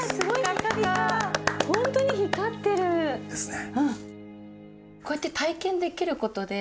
本当に光ってる！ですね。